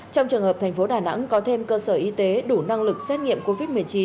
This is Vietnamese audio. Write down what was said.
trong trường hợp thành phố đà nẵng có thêm cơ sở y tế đủ năng lực xét nghiệm covid một mươi chín